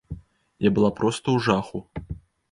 Я была проста ў жаху!